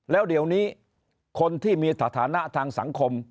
แล้วเดี๋ยวนี้คนที่มีฐานะทางสังคม